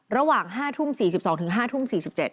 ระหว่าง๕ทุ่ม๔๒๕ทุ่ม๔๗